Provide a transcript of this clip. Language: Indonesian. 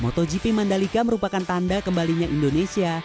motogp mandalika merupakan tanda kembalinya indonesia